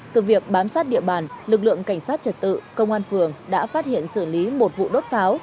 từ việc bám sát địa bàn lực lượng cảnh sát trật tự công an phường đã phát hiện xử lý một vụ đốt pháo